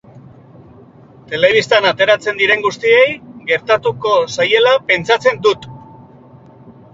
Telebistan ateratzen diren guztiei gertatuko zaiela pentsatzen dut.